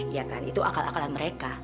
ya kan itu akal akalan mereka